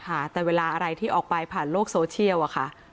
ค่ะแต่เวลาอะไรที่ออกไปผ่านโลกโซเชียลอะค่ะ